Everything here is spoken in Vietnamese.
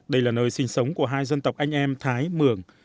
đây là nơi sinh sống của hai dân tộc anh em thái mường